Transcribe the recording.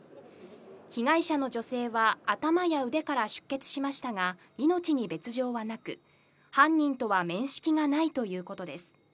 被害者の女性は頭や腕から出血しましたが、命に別条はなく、犯人とは面識がないということです。